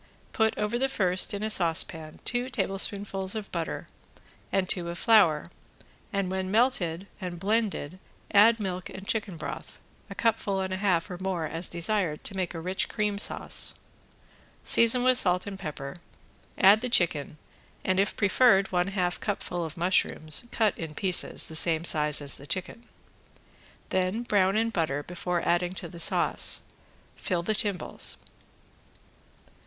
Put over the first in a saucepan two tablespoonfuls of butter and two of flour and when melted and blended add milk and chicken broth, a cupful and a half or more as desired to make a rich cream sauce. Season with salt and pepper, add the chicken and, if preferred, one half cupful of mushrooms cut in pieces the same size as the chicken. Then brown in butter before adding to the sauce. Fill the timbales.